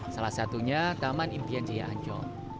salah satunya taman impian jaya ancol